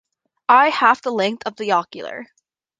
Eye half the length of the ocular.